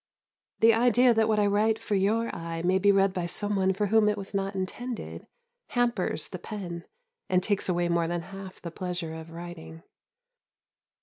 The idea that what I write for your eye may be read by some one for whom it was not intended, hampers the pen and takes away more than half the pleasure of writing.